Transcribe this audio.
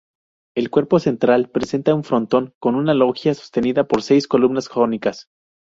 El cuerpo central presenta un frontón con una loggia sostenida por seis columnas jónicas.